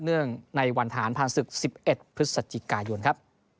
เนื่องในวันทหารผ่านศึก๑๑พฤศจิกายนครับ